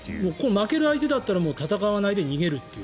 負ける相手だったら戦わないで逃げるという。